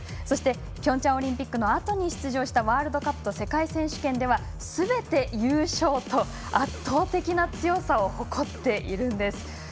そしてピョンチャンオリンピックのあとに出場したワールドカップと世界選手権ではすべて優勝と圧倒的な強さを誇っているんです。